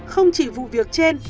không chỉ vụ việc trên